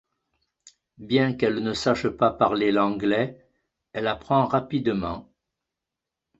Bien qu'elle ne sache pas parler l'anglais, elle apprend rapidement.